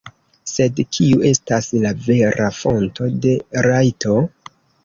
Sed kiu estas la vera fonto de rajto?